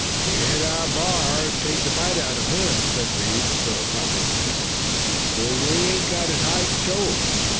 "We hit our b'ar an' took the bite out uv him," said Reed philosophically, "but we ain't got his hide to show.